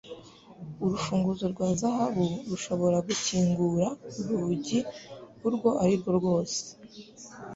Urufunguzo rwa zahabu rushobora gukingura urugi urwo arirwo rwose